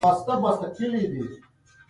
هرکله چې چاته د محروميت احساس ودرېږي.